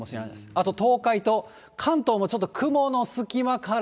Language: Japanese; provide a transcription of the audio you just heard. あと、東海と関東もちょっと雲の隙間から。